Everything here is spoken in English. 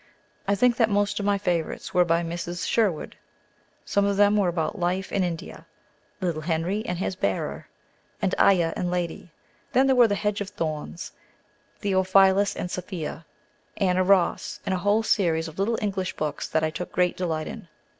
I think that most of my favorites were by Mrs. Sherwood. Some of them were about life in India, "Little Henry and his Bearer," and "Ayah and Lady." Then there were "The Hedge of Thorns;" "Theophilus and Sophia;" "Anna Ross," and a whole series of little English books that I took great delight in.